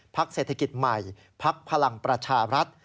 เศรษฐกิจใหม่พักพลังประชารัฐ